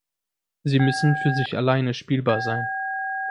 Sie müssen für sich alleine spielbar sein.